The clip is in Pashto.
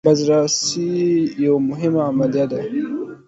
بازرسي یوه مهمه عملیه ده.